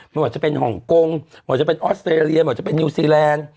ไม่ว่าจะเป็นฮ่องกงไม่ว่าจะเป็นออสเตรเลียไม่ว่าจะเป็นนิวซีแลนด์